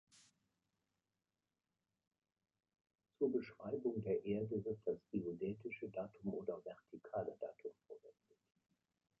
Zur Beschreibung der Erde wird das Geodätische Datum oder Vertikale Datum verwendet.